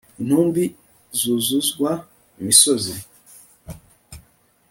intumbi zuzuzwa imisozi